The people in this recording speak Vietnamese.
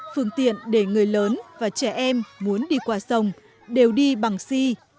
phương tiện để người lớn và trẻ em muốn đi qua sông đều đi bằng si